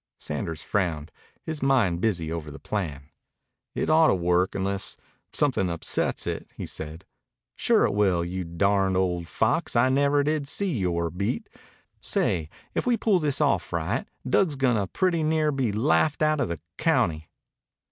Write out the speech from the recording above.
Sanders frowned, his mind busy over the plan. "It ought to work, unless something upsets it," he said. "Sure it'll work. You darned old fox, I never did see yore beat. Say, if we pull this off right, Dug's gonna pretty near be laughed outa the county."